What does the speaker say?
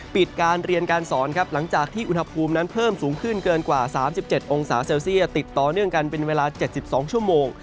ปิดการเรียนการสอนครับหลังจากที่อุณหภูมินั้นเพิ่มสูงขึ้นเกินกว่า๓๗องศาเซลเซียติดต่อเนื่องกันเป็นเวลา๗๒ชั่วโมง